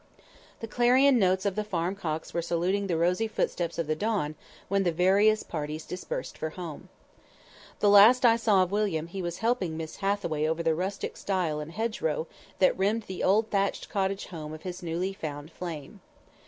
The clarion notes of the farm cocks were saluting the rosy footsteps of the dawn when the various parties dispersed for home. The last I saw of William he was helping Miss Hathaway over the rustic stile and hedge row that rimmed the old thatched cottage home of his new found flame.